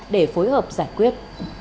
để phối hợp giải quyết